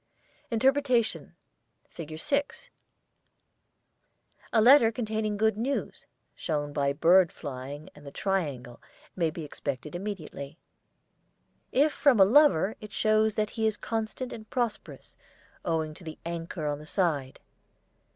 INTERPRETATION FIG. 6 A letter containing good news, shown by bird flying and the triangle, may be expected immediately. If from a lover it shows that he is constant and prosperous, owing to the anchor on the side.